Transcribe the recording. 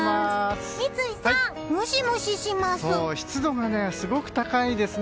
三井さん、ムシムシします。